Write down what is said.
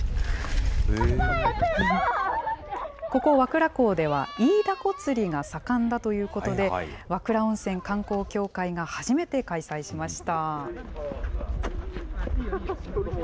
ここ、和倉港ではイイダコ釣りが盛んだということで、和倉温泉観光協会が初めて開催しました。